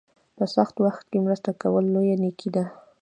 په سخت وخت کې مرسته کول لویه نیکي ده.